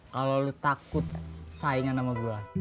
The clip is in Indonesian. kalau lu takut saingan sama gua